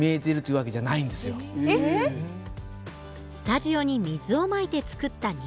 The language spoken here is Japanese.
スタジオに水をまいて作った虹。